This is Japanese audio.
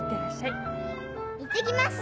いってきます！